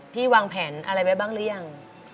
วางแผนอะไรไว้บ้างหรือยัง